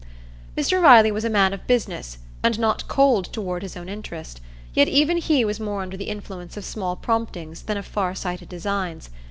Mr Riley was a man of business, and not cold toward his own interest, yet even he was more under the influence of small promptings than of far sighted designs.